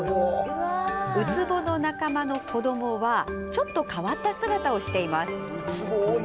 ウツボの仲間の子どもはちょっと変わった姿をしています。